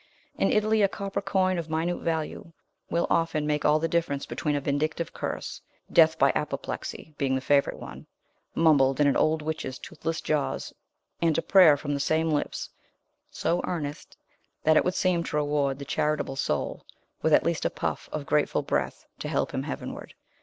In Italy a copper coin of minute value will often make all the difference between a vindictive curse death by apoplexy being the favorite one mumbled in an old witch's toothless jaws, and a prayer from the same lips, so earnest that it would seem to reward the charitable soul with at least a puff of grateful breath to help him heavenward.